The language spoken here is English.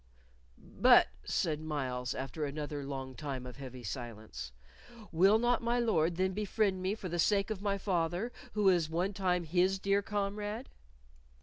"But," said Myles, after another long time of heavy silence, "will not my Lord then befriend me for the sake of my father, who was one time his dear comrade?"